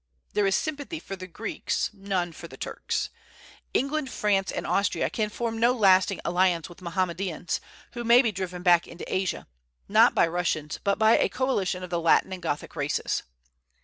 There is sympathy for the Greeks; none for the Turks. England, France, and Austria can form no lasting alliance with Mohammedans, who may be driven back into Asia, not by Russians, but by a coalition of the Latin and Gothic races.